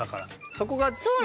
そこがね。